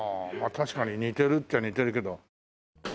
確かに似てるっちゃ似てるけど。